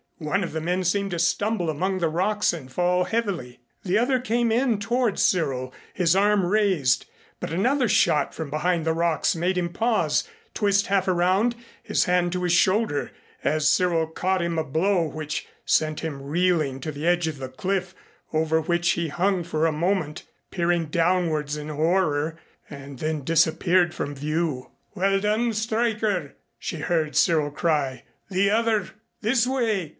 One of the men seemed to stumble among the rocks and fall heavily. The other came in toward Cyril, his arm raised, but another shot from behind the rocks made him pause, twist half around, his hand to his shoulder as Cyril caught him a blow which sent him reeling to the edge of the cliff, over which he hung for a moment, peering downwards in horror, and then disappeared from view. "Well done, Stryker," she heard Cyril cry. "The other this way.